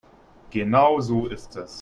Genau so ist es.